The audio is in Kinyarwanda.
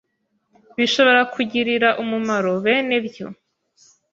bishobora kugirira umumaro bene byo